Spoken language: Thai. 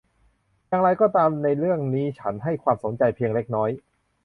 อย่างไรก็ตามในเรื่องนี้ฉันให้ความสนใจเพียงเล็กน้อย